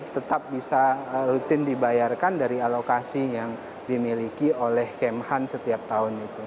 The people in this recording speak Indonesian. tetap bisa rutin dibayarkan dari alokasi yang dimiliki oleh kemhan setiap tahun itu